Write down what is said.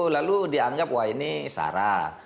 lalu dianggap wah ini sarah